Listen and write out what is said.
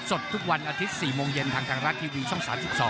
สดทุกวันอาทิตย์๔โมงเย็นทางทางรัฐทีวีช่อง๓๒